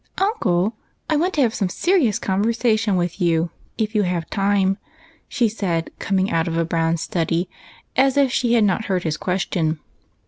" Uncle, I want to have some serious conversation with you, if you have time," she said, coming out of a brown study, as if she had not heard his question.